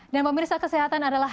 dan pemirsa kesehatan adalah